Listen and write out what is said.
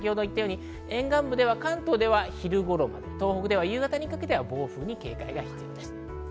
沿岸部では関東では昼頃まで東北では夕方にかけて暴風に警戒が必要です。